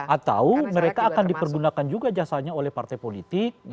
atau mereka akan dipergunakan juga jasanya oleh partai politik